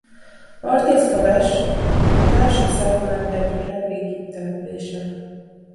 Martinska Ves a Felső-Szávamente egyik legrégibb települése.